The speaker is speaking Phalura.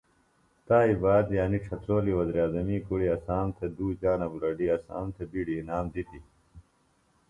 تائی باد یعنی ڇھترولی وزیراعظمی کُڑیۡ اسام تھےۡ دُو جانہ بُلڈیۡ اسام تھےۡ بِیڈیۡ اِنام دِتیۡ